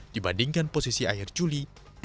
dibandingkan posisi akhir juli dua ribu dua puluh